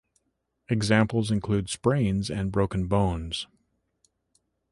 Examples include sprains and broken bones.